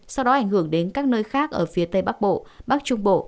sau đó ảnh hưởng đến các nơi khác ở phía tây bắc bộ bắc trung bộ